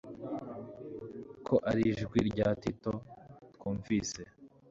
ko ari ijwi rya Tito twumvise